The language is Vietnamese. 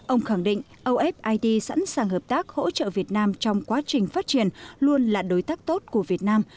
ông khẳng định ofid sẵn sàng hợp tác hỗ trợ việt nam trong quá trình phát triển luôn là đối tác tốt của việt nam